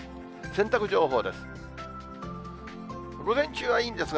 洗濯情報です。